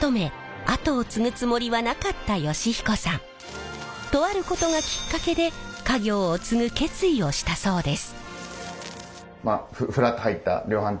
実はもともととあることがきっかけで家業を継ぐ決意をしたそうです。